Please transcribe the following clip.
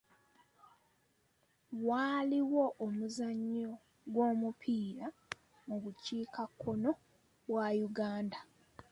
Waaliwo omuzannyo gw'omupiira mu bukiikakkono bwa Uganda.